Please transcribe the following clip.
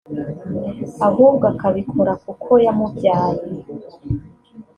ahubwo akabikora kuko yamubyaye